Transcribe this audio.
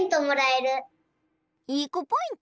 いいこポイント？